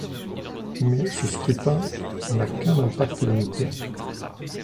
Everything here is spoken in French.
Mais ce scrutin n'a qu'un impact limité.